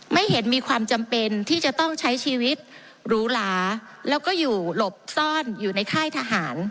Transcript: ไม่เห็นมีความจำเป็นที่จะต้องใช้ชีวิตหรูหลาแล้วก็อยู่หลบซ่อนอยู่ในค่ายทหาร